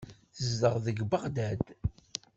Tezdeɣ deg Beɣdad.